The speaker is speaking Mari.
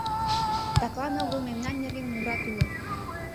Таклан огыл мемнан нерген мурат уло.